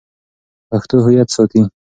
پښتو هویت ساتي.